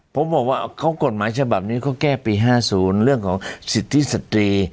ผมบอกว่าเขากฎหมายฉบับนี้เขาแก้ปี๕๐เรื่องของสิทธิสตรี